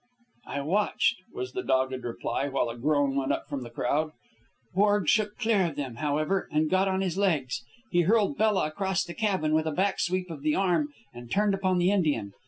"I watched," was the dogged reply, while a groan went up from the crowd. "Borg shook clear of them, however, and got on his legs. He hurled Bella across the cabin with a back sweep of the arm and turned upon the Indian.